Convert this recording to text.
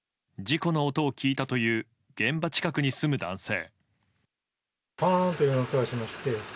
事故の音を聞いたという現場近くに住む男性。